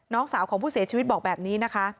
น้องสาวของผู้เสียชีวิตบอกแบบนี้นะคะ